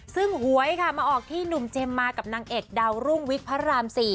ซึ่งหวยค่ะมาออกที่หนุ่มเจมส์มากับนางเอกดาวรุ่งวิกพระราม๔